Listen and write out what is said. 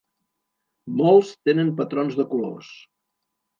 Molts tenen patrons de colors.